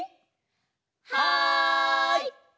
はい！